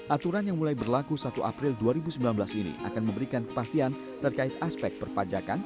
aturan yang mulai berlaku satu april dua ribu sembilan belas ini akan memberikan kepastian terkait aspek perpajakan